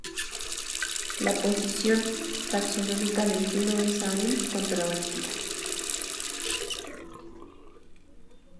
La posición taxonómica del filo es aún controvertida.